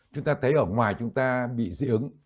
chúng ta thấy ở ngoài chúng ta bị dị ứng